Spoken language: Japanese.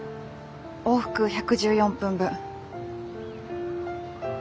往復１１４分ぶん。